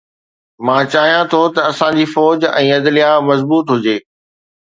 مان چاهيان ٿو ته اسان جي فوج ۽ عدليه مضبوط هجي.